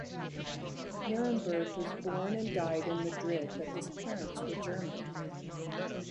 Nieremberg was born and died in Madrid, but his parents were German.